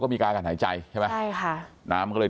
น้ำถ่วมปอดเราก็เสียชีวิตเนี่ยนะครับ